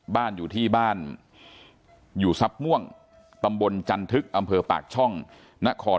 บ้านอยู่ที่บ้านอยู่ทรัพย์ม่วงตำบลจันทึกอำเภอปากช่องนคร